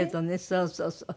そうそうそう。